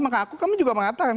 maka aku juga mengatakan